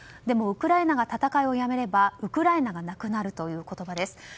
でも、ウクライナが戦いをやめればウクライナがなくなるという言葉です。